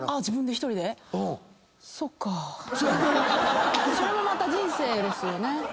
自分で１人で⁉それもまた人生ですよね。